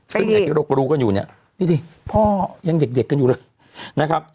ไปดีจริงลูกก็รู้กันอยู่นี่พ่อยังเด็กกันอยู่เลย